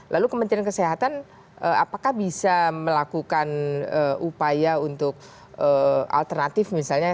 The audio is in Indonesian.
lalu kementerian kesehatan apakah bisa melakukan upaya untuk alternatif misalnya